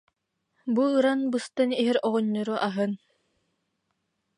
Бу ыран, быстан иһэр оҕонньору аһын